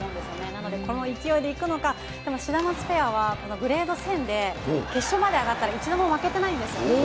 なのでこの勢いで行くのか、でもシダマツペアは、このグレードせんで、決勝まで上がったら、一度も負けてないんですよ。